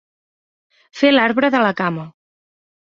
Fer l'arbre de la cama.